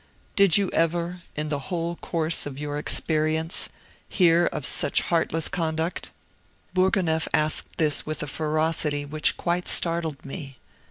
Did you ever, in the whole course of your experience, hear of such heartless conduct?" Bourgonef asked this with a ferocity which quite startled me.